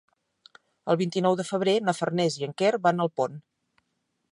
El vint-i-nou de febrer na Farners i en Quer van a Alpont.